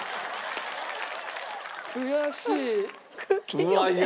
悔しい。